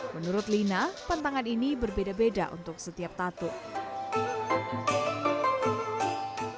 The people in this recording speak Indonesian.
menurut lina pantangan ini berbeda beda untuk setiap tatung